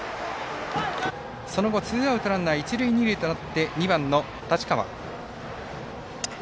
その後、ツーアウトランナー、一塁二塁となって２番の太刀川。